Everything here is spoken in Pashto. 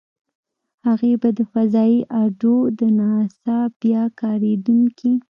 هغې به د فضايي اډو - د ناسا بیا کارېدونکې.